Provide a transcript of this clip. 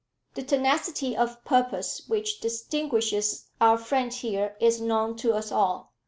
The tenacity of purpose which distinguishes our friend here is known to us all.